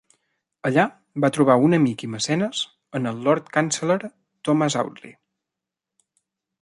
Allà va trobar un amic i mecenes en el Lord Canceller Thomas Audley.